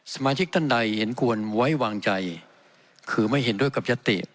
สมาชิกท่านใดเห็นควรไว้วางใจคือไม่เห็นด้วยกับยติ